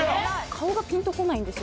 顔がピンとこないんです。